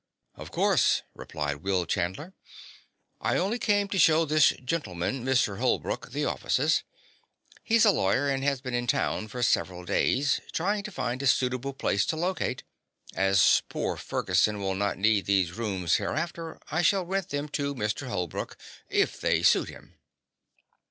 "Of course," replied Will Chandler. "I only came to show this gentleman, Mr. Holbrook, the offices. He's a lawyer and has been in town for several days, trying to find a suitable place to locate. As poor Ferguson will not need these rooms hereafter I shall rent them to Mr. Holbrook if they suit him."